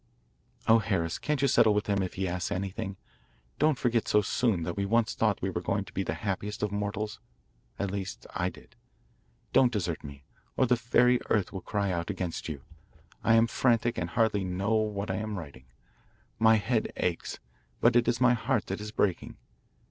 Oh, Harris, can't you settle with him if he asks anything? Don't forget so soon that we once thought we were going to be the happiest of mortals at least I did. Don't desert me, or the very earth will cry out against you. I am frantic and hardly know what I am writing. My head aches, but it is my heart that is breaking.